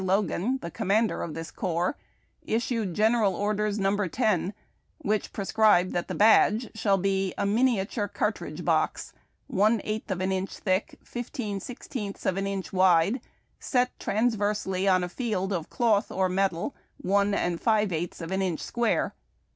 Logan, the commander of this corps, issued General Orders No. 10, whicli prescribe that the badge shall be "A minia ture cartridge box, one eighth of an inch thick, fifteen sixteenths of an inch wide, set transversely on a field of cloth or metal, one and five eighths of an inch square.